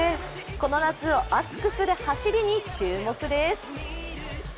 この夏を熱くする走りに注目です。